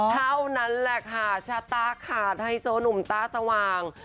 เท่านั้นแหละค่ะชะตาขาดไฮโซหนุ่มตาสว่าง